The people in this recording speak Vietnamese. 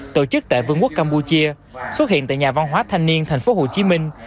tổ chức tại vương quốc campuchia xuất hiện tại nhà văn hóa thanh niên thành phố hồ chí minh